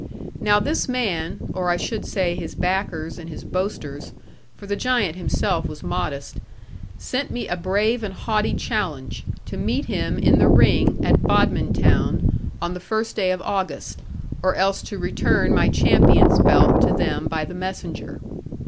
Now this man or I should say, his backers and his boasters, for the giant himself was modest sent me a brave and haughty challenge, to meet him in the ring at Bodmin town, on the first day of August, or else to return my champion's belt to them by the messenger.